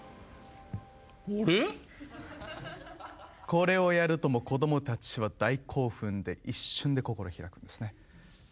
これをやるともうこどもたちは大興奮で一瞬で心開くんですね。